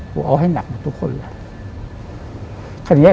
กูเอาให้หนักหมดทุกคนเลย